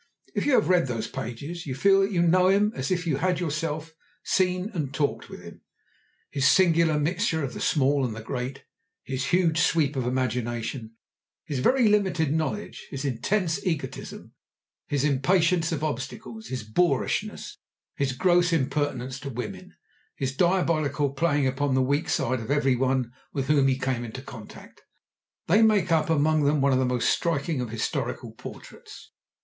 If you have read those pages, you feel that you know him as if you had yourself seen and talked with him. His singular mixture of the small and the great, his huge sweep of imagination, his very limited knowledge, his intense egotism, his impatience of obstacles, his boorishness, his gross impertinence to women, his diabolical playing upon the weak side of every one with whom he came in contact—they make up among them one of the most striking of historical portraits.